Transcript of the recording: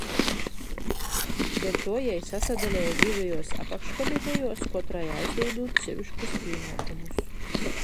Deļtuo jei sasadaleja divejuos apakškomitejuos, kotrai aizdūdūt seviškus pīnuokumus.